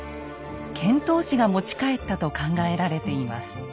遣唐使が持ち帰ったと考えられています。